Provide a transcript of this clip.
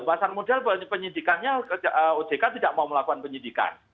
pasar modal penyidikannya ojk tidak mau melakukan penyidikan